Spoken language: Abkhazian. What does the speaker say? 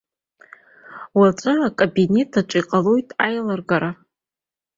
Уаҵәы акабинет аҿы иҟалоит аилыргара.